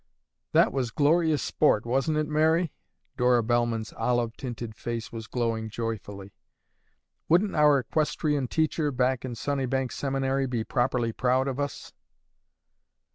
"That was glorious sport, wasn't it, Mary?" Dora Bellman's olive tinted face was glowing joyfully. "Wouldn't our equestrian teacher back in Sunnybank Seminary be properly proud of us?"